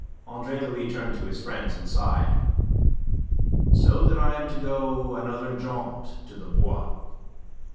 Andre Louis turned to his friends and sighed. "So that I am to go another jaunt to the Bois.